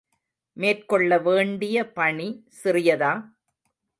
மேற்கொள்ள வேண்டிய பணி சிறியதா?